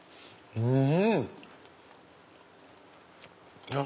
うん！